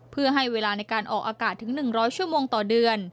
เพื่อให้เวลาในการออกอากาศถึง๑๐๐ชั่วโมงต่อเดือน